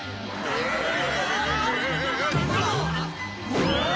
うわ！